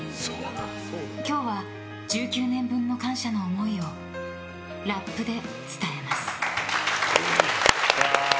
今日は１９年分の感謝の思いをラップで伝えます。